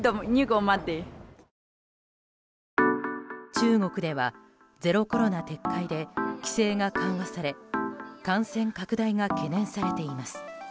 中国ではゼロコロナ撤回で規制が緩和され感染拡大が懸念されています。